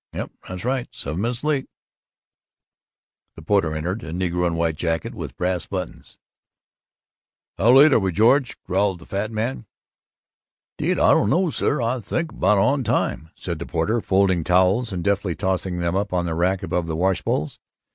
"Yuh, that's right; seven minutes late." The porter entered a negro in white jacket with brass buttons. "How late are we, George?" growled the fat man. "'Deed, I don't know, sir. I think we're about on time," said the porter, folding towels and deftly tossing them up on the rack above the washbowls.